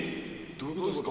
どういうことっすか？